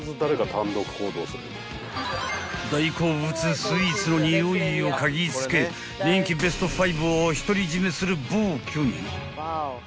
［大好物スイーツのにおいを嗅ぎつけ人気ベスト５を独り占めする暴挙に］